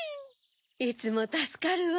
いつもたすかるわ。